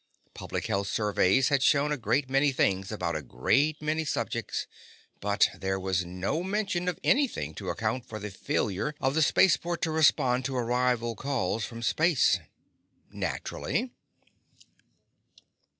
Public health surveys had shown a great many things about a great many subjects ... but there was no mention of anything to account for the failure of the spaceport to respond to arrival calls from space. Naturally!